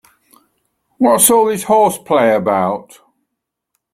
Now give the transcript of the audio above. What's all this horseplay about?